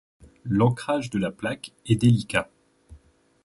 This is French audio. L'encrage de la plaque est délicat.